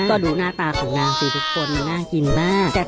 ก็ดูหน้าตาของนางสิทุกคนน่ากินมาก